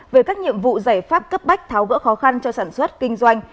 về các nhiệm vụ giải pháp cấp bách tháo gỡ khó khăn cho sản xuất kinh doanh